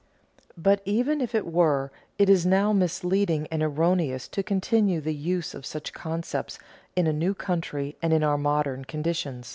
But even if it were, it is now misleading and erroneous to continue the use of such concepts in a new country and in our modern conditions.